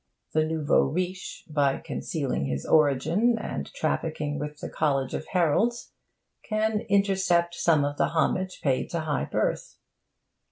The nouveau riche, by concealing his origin and trafficking with the College of Heralds, can intercept some of the homage paid to high birth.